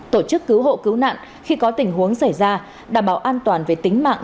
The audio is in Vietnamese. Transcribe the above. tổ chức cứu hộ cứu nạn khi có tình huống xảy ra đảm bảo an toàn về tính mạng